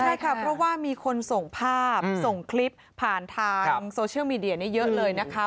ใช่ค่ะเพราะว่ามีคนส่งภาพส่งคลิปผ่านทางโซเชียลมีเดียนี้เยอะเลยนะคะ